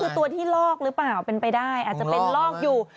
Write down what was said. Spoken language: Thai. คือตัวที่ลอกหรือเปล่าเป็นไปได้อาจจะเป็นลอกอยู่